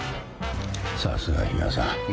さすがヒガさん。